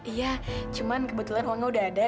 iya cuman kebetulan uangnya udah ada